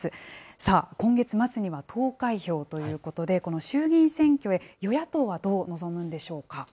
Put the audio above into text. さあ、今月末には投開票ということで、この衆議院選挙へ、与野党はどう臨むんでしょうか。